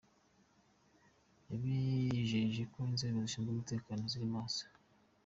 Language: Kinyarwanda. Yabijeje ko inzego zishinzwe umutekano ziri maso.